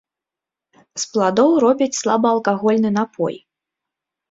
З пладоў робяць слабаалкагольны напой.